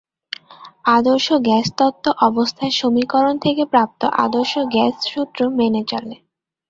আদর্শ গ্যাস তত্ত্ব অবস্থার সমীকরণ থেকে প্রাপ্ত আদর্শ গ্যাস সূত্র মেনে চলে।